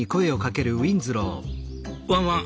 「ワンワン。